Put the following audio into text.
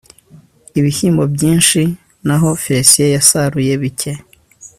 ibishyimbo byinshi naho félicien yasaruye bike